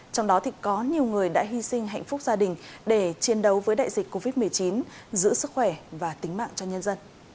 trong đó có nhiều người đã hy sinh hạnh phúc gia đình để chiến đấu với đại dịch covid một mươi chín giữ sức khỏe và tính mạng cho nhân dân